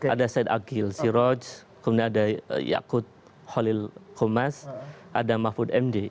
ada said akil siroj kemudian ada yakut holil komas ada mahfud md